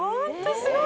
すごい！